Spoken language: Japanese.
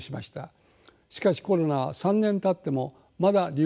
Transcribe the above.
しかしコロナは３年たってもまだ流行が続いております。